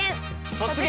「突撃！